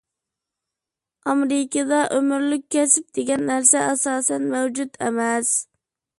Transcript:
ئامېرىكىدا «ئۆمۈرلۈك كەسىپ» دېگەن نەرسە ئاساسەن مەۋجۇت ئەمەس.